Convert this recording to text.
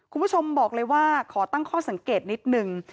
คุณผู้ชมบอกเลยว่าขอตั้งข้อสังเกตนิดนึง